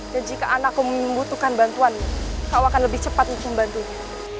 dan jika anakku membutuhkan bantuan kau akan lebih cepat mencoba bantunya